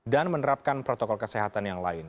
dan menerapkan protokol kesehatan yang lain